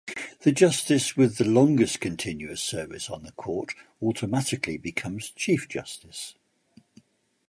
The justice with the longest continuous service on the court automatically becomes Chief Justice.